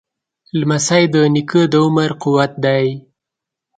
لمسی د نیکه د عمر قوت دی.